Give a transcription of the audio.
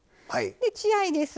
で血合いです。